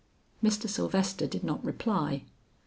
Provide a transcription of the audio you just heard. Mr. Sylvester did not reply.